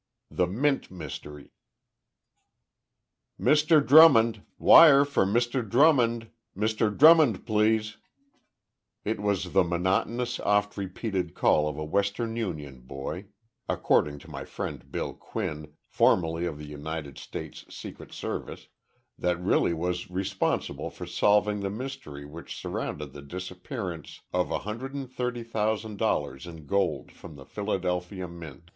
II THE MINT MYSTERY "Mr Drummond! Wire for Mr. Drummond! Mr. Drummond, please!" It was the monotonous, oft repeated call of a Western Union boy according to my friend Bill Quinn, formerly of the United States Secret Service that really was responsible for solving the mystery which surrounded the disappearance of $130,000 in gold from the Philadelphia Mint.